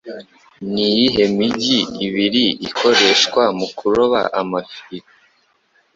niyihe mijyi ibiri ikoreshwa mu kuroba amafi?